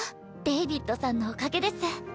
デイビッドさんのおかげです。